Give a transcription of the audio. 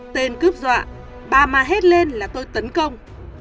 tên cướp dọa bà mà hết lên là tôi tấn công